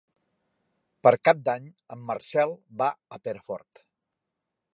Per Cap d'Any en Marcel va a Perafort.